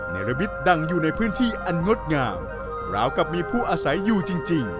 ในระมิตดังอยู่ในพื้นที่อันงดงามราวกับมีผู้อาศัยอยู่จริง